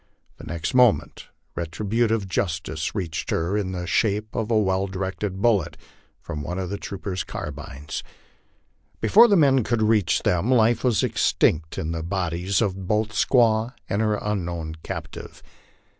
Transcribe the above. The next moment retributive jus tice reached her in the shape of a well directed bullet from one of the troopers' carbines. Before the men could reach them life was extinct in the bodies of both the squaw and her unknown captive.